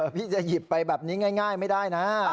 พี่จะหยิบไปแบบนี้ง่ายไม่ได้นะ